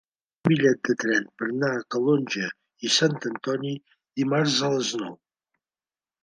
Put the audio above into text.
Reserva'm un bitllet de tren per anar a Calonge i Sant Antoni dimarts a les nou.